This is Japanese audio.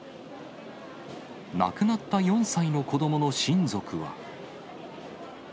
亡くなった４歳の子どもの親族は。